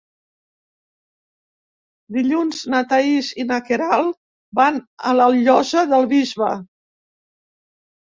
Dilluns na Thaís i na Queralt van a la Llosa del Bisbe.